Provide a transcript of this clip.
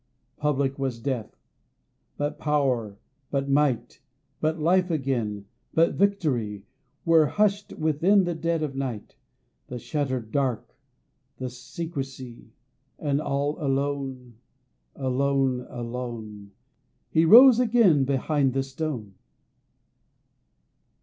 Public was Death; but Power, but Might, But Life again, but Victory, Were hushed within the dead of night, The shutter'd dark, the secrecy. And all alone, alone, alone He rose again behind the stone.